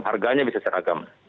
harganya bisa seragam